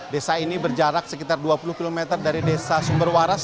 desa ini berjarak sekitar dua puluh km dari desa sumberwaras